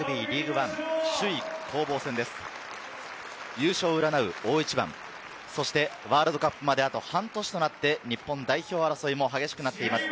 優勝をうらなう大一番、そしてワールドカップまであと半年となって日本代表争いも激しくなっています。